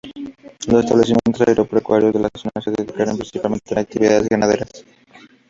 Los establecimientos agropecuarios de la zona se dedicaron principalmente a actividades ganaderas.